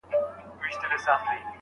پښې چي مي مزلونو شوړولې اوس یې نه لرم